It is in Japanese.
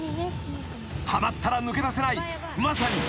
［はまったら抜け出せないまさに］